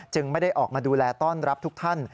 ไม่ได้ออกมาดูแลต้อนรับทุกท่าน